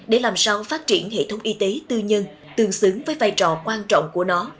để làm sao phát triển hệ thống y tế tư nhân tương xứng với vai trò quan trọng của nó